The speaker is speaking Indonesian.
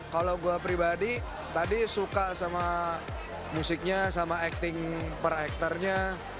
kalau gue pribadi tadi suka sama musiknya sama acting per actornya